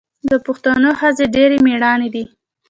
د پښتنو ښځې ډیرې میړنۍ دي.